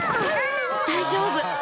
大丈夫！